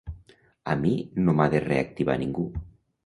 A mi no m’ha de reactivar ningú.